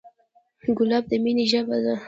ګلاب د مینې ژبه ده.